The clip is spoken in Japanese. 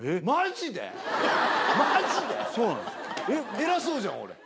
偉そうじゃん俺。